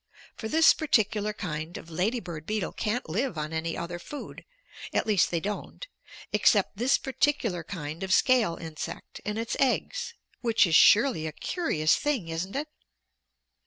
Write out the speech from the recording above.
For this particular kind of lady bird beetle can't live on any other food at least they don't except this particular kind of scale insect and its eggs, which is surely a curious thing, isn't it?"